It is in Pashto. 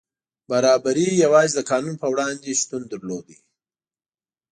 برابري یوازې د قانون په وړاندې شتون درلود.